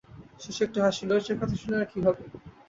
শশী একটু হাসিল, সে কথা শুনে আর কী হবে?